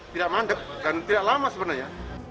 tidak mandek dan tidak lama sebenarnya